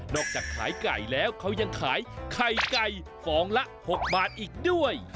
จากขายไก่แล้วเขายังขายไข่ไก่ฟองละ๖บาทอีกด้วย